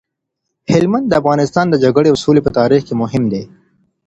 هلمند د افغانستان د جګړې او سولې په تاریخ کي مهم دی.